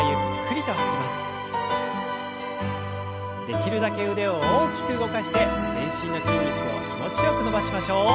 できるだけ腕を大きく動かして全身の筋肉を気持ちよく伸ばしましょう。